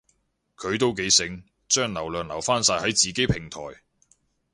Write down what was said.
佢都幾醒，將流量留返晒喺自己平台